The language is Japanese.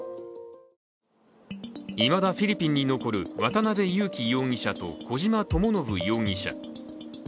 いまだフィリピンに残る渡辺優樹容疑者と小島智信容疑者。